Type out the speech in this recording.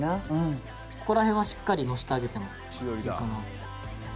ここら辺はしっかりのせてあげてもいいかな。